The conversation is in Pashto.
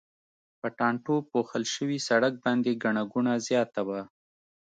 په ټانټو پوښل شوي سړک باندې ګڼه ګوڼه زیاته وه.